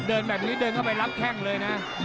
เดินแบบนี้เดินเข้าไปรับแข้งเลยนะ